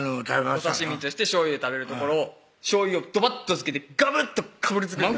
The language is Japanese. お刺身としてしょうゆで食べるところをしょうゆをドバッと付けてガブッとかぶりつくんです